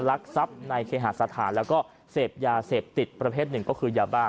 ลักทรัพย์ในเคหาสถานแล้วก็เสพยาเสพติดประเภทหนึ่งก็คือยาบ้า